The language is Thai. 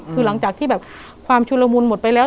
คือหลังจากที่แบบความชุลมุนหมดไปแล้ว